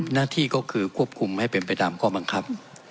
หน้าที่ก็คือควบคุมให้เป็นไปตามข้อบังคับ